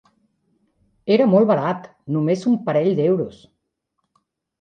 Era molt barat! Només un parell d'euros!